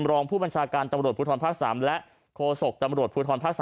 รองผู้บัญชาการตำรวจภูทรภาค๓และโฆษกตำรวจภูทรภาค๓